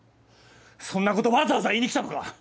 そんなことわざわざ言いに来たのか？